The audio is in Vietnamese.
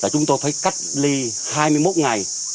chúng tôi phải cách ly hai mươi một ngày